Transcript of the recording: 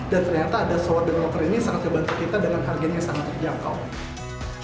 dan ternyata ada shower dan locker ini sangat membantu kita dengan harganya yang sangat jangkau